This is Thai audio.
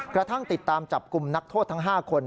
กระทั่งติดตามจับกลุ่มนักโทษทั้ง๕คน